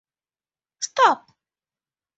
Stop!